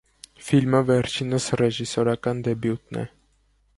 Ֆիլմը վերջինիս ռեժիսորական դեբյուտն է։